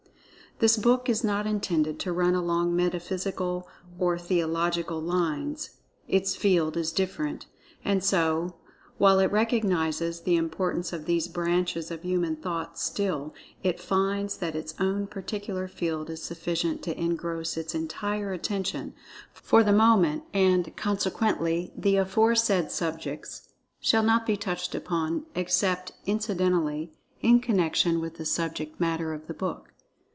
This book is not intended to run along metaphysical or theological lines—its field is different. And so, while it recognizes the importance of these branches of human thought, still, it finds that its own particular field is sufficient[Pg 13] to engross its entire attention, for the moment, and, consequently the aforesaid subjects shall not be touched upon except incidentally, in connection with the subject matter of the book.